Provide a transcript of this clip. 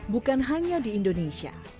bukan hanya di indonesia